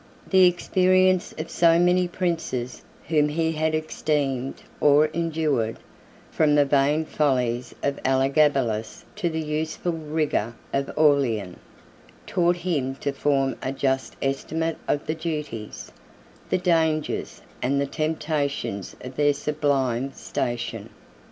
8 The experience of so many princes, whom he had esteemed or endured, from the vain follies of Elagabalus to the useful rigor of Aurelian, taught him to form a just estimate of the duties, the dangers, and the temptations of their sublime station.